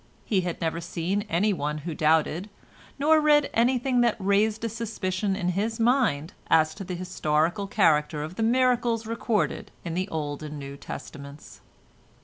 He had never seen anyone who doubted, nor read anything that raised a suspicion in his mind as to the historical character of the miracles recorded in the Old and New Testaments.